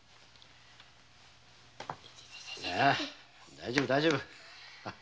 大丈夫大丈夫。